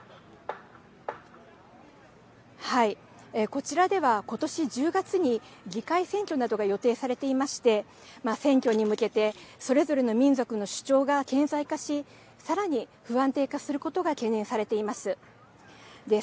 こちらでは今年１０月に議会選挙などが予定されていまして選挙に向けてそれぞれの民族の主張が顕在化しさらに不安定化することが懸念されています。